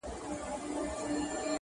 د زاهد به په خلوت کي اور په کور وي-